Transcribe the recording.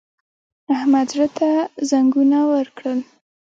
احمد زړه ته زنګنونه ورکړل!